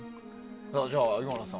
じゃあ、岩名さん。